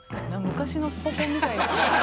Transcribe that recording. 昔のスポ根みたいな。